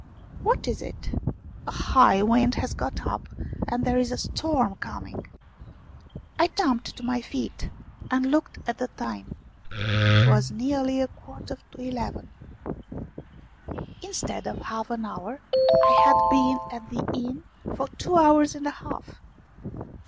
" What is it ?"" A high wind has got up, and there is a storm coming." I jumped to my feet and looked at the time ; it was nearly a quarter to eleven. Instead of half an hour, I had been at the inn for two hours and a half!